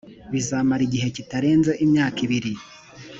bizamara igihe kitarenze imyaka ibirri.